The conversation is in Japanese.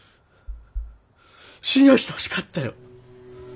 信用してほしかったよ。